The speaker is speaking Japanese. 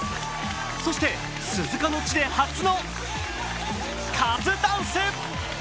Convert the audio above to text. そして鈴鹿の地で初のカズダンス。